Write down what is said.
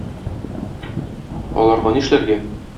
Аларга нишләргә?